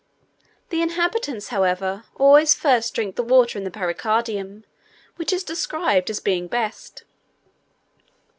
The inhabitants, however, always first drink the water in the pericardium, which is described as being best.